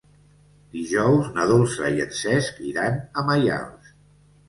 Dijous na Dolça i en Cesc iran a Maials.